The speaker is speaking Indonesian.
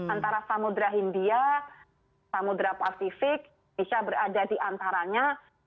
antara samudera india samudera pasifik indonesia berada di antaranya